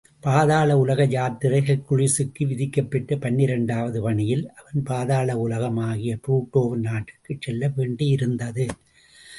பாதாள உலக யாத்திரை ஹெர்க்குலிஸுக்கு விதிக்கப்பெற்ற பன்னிரண்ரண்டாவது பணியில், அவன் பாதாள உலகமாகிய புளுட்டோவின் நாட்டிற்குச் செல்ல வேண்டியிருந்தது.